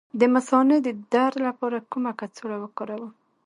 د مثانې د درد لپاره کومه کڅوړه وکاروم؟